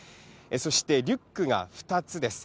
そして、リュックが２つです。